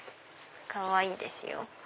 かわいいですよ。